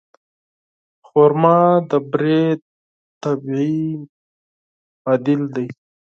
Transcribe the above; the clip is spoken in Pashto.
خرما د بوري طبیعي بدیل دی.